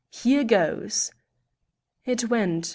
Here goes!" It went.